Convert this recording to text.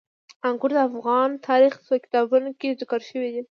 انګور د افغان تاریخ په کتابونو کې ذکر شوی دي.